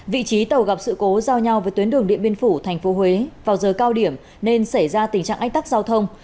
vị trí tàu gặp sự cố giao nhau với tuyến đường điện biên phủ tp huế vào giờ cao điểm nên xảy ra tình trạng ách tắc giao thông